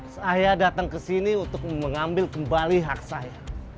saya datang ke sini untuk mengambil kembali hak saya